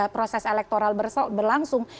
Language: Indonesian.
proses elektoral berlangsung